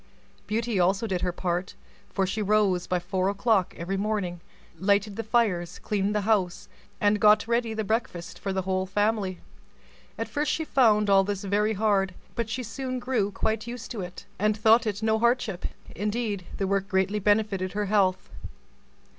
Beauty also did her part, for she rose by four o'clock every morning, lighted the fires, cleaned the house, and got ready the breakfast for the whole family. At first she found all this very hard; but she soon grew quite used to it, and thought it no hardship; indeed, the work greatly benefited her health.